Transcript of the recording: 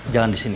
jangan di sini